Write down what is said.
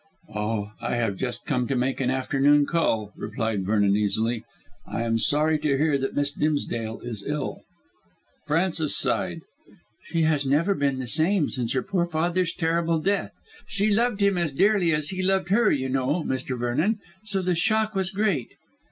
"Oh, I have just come to make an afternoon call," replied Vernon easily. "I am sorry to hear that Miss Dimsdale is ill." Frances sighed. "She has never been the same since her poor father's terrible death. She loved him as dearly as he loved her, you know, Mr. Vernon, so the shock was great."